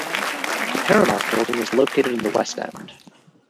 The Paramount building is located in the West End.